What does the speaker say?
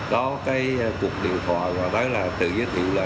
có cái cuộc điện thoại gọi tới là tự giới thiệu là